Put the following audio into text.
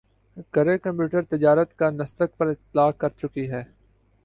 کَرئے computer تجارت کا نسدق پر اطلاق کر چکی ہے